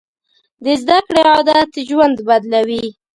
د زده کړې عادت ژوند بدلوي.